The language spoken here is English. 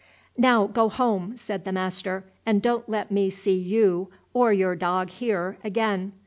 "Now go home," said the master, "and don't let me see you or your dog here again."